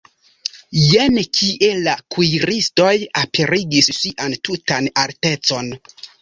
Jen kie la kuiristoj aperigis sian tutan artecon!